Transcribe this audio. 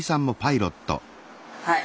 はい。